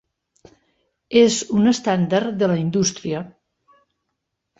És un estàndard de la indústria.